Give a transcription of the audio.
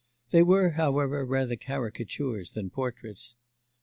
They were, however, rather caricatures than portraits.